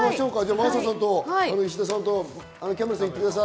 真麻さん、石田さん、キャンベルさん、食べてください。